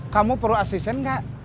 kamu perlu asisten gak